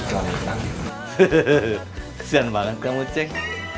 kesian banget kamu ceng